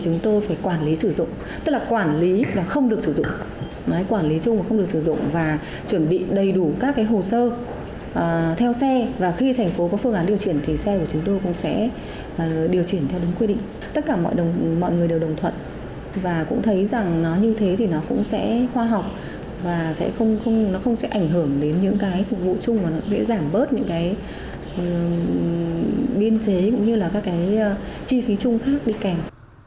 nếu có phương án điều triển thì xe của chúng tôi cũng sẽ điều triển theo đúng quy định tất cả mọi người đều đồng thuận và cũng thấy rằng nó như thế thì nó cũng sẽ khoa học và nó không sẽ ảnh hưởng đến những cái phục vụ chung và nó sẽ giảm bớt những cái biên chế cũng như là các cái chi phí chung khác đi kèm